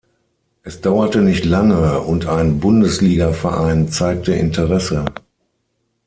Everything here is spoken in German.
Es dauerte nicht lange und ein Bundesligaverein zeigte Interesse.